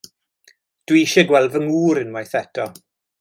Dw i eisiau gweld fy ngŵr unwaith eto.